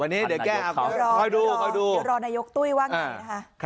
เดี๋ยวรอนายกตุ้ยว่าไงนะคะ